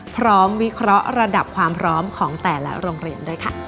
พร้อมวิเคราะห์ระดับความพร้อมของแต่ละโรงเรียน